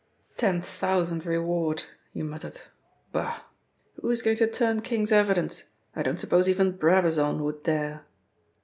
"Ten thousand reward!" he muttered. "Bah! Who is going to turn King's evidence? I don't suppose even Brabazon would dare."